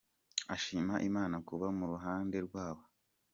Ashima Imana kuba mu ruhande rwabo.